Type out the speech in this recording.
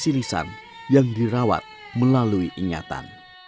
radisi lisan yang dirawat melalui ingatan